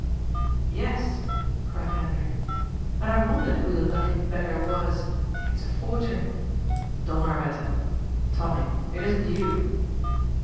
"" Yes, cried Hendrik, " and I wondered who the lucky beggar was. It's a fortune. Donnerwetter ! Tommy, it isn't you